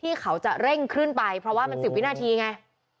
ที่เขาจะเร่งขึ้นไปเพราะว่ามัน๑๐วินาทีไง